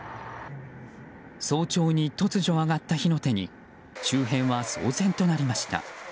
早朝に突如上がった火の手に周辺は騒然となりました。